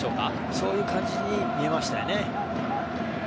そういう感じに見えましたね。